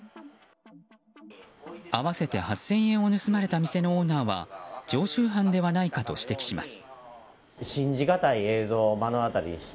合わせて８０００円を盗まれた店のオーナーは常習犯ではないかと指摘します。